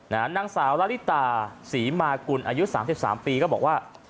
นางสาวละลิตาศรีมากุลอายุ๓๓ปีก็บอกว่า